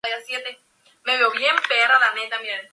Se compone de sólo dos especies.